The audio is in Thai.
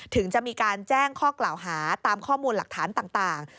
ถึงจะมีการแจ้งข้อกล่าวหาตามข้อมูลหลักฐานต่าง